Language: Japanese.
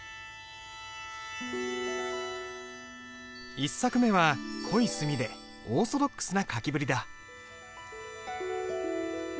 １作目は濃い墨でオーソドックスな書きぶりだ。